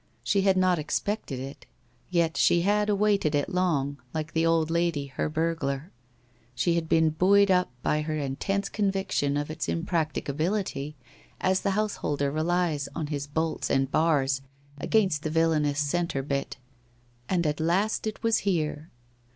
She had not expected it, yet she had awaited it long, like the old lady her burglar. She had been buoyed up by her intense conviction of its impracticability, as the householder relies on his bolts and bars against the villainous centre bit. And at last it was here.